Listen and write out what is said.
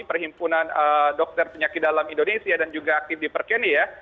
perhimpunan dokter penyakit dalam indonesia dan juga aktif di perkeni ya